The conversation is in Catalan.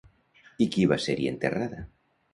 I qui va ser-hi enterrada?